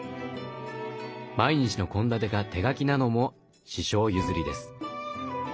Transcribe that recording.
毎日の献立が手書きなのも師匠ゆずりです。